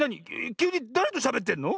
きゅうにだれとしゃべってんの？